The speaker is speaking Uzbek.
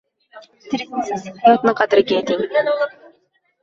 Tirikmisiz.?Hayotni qadriga yeting.!